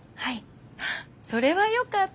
それはよかった。